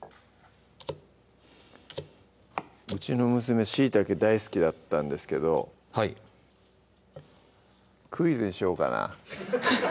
うちの娘しいたけ大好きだったんですけどはいクイズにしようかな